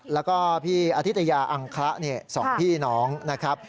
แล้วก็พี่อธิตยาอังคละ๒พี่น้องนะครับ